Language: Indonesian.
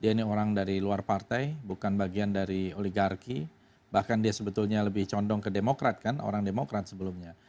dia ini orang dari luar partai bukan bagian dari oligarki bahkan dia sebetulnya lebih condong ke demokrat kan orang demokrat sebelumnya